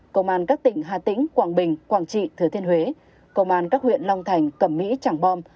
công an các tỉnh hà tĩnh quảng bình quảng trị thứa thiên huế công an các huyện long thành cẩm mỹ trảng bom